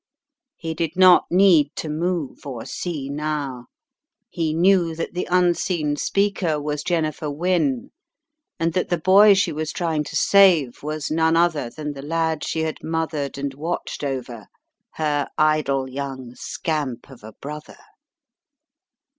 He did not need to move or see now, he knew that the unseen speaker was Jennifer Wynne, and that the boy she was trying to save was none other than the lad she had mothered and watched over — her idle young scamp of a brother.